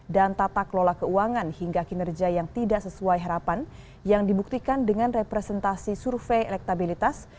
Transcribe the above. dan tata kelola keuangan hingga kinerja yang tidak sesuai harapan yang dibuktikan dengan representasi survei elektabilitas